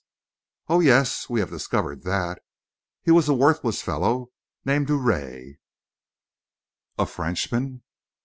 "Oh, yes, we have discovered that. He was a worthless fellow named Drouet." "A Frenchman?"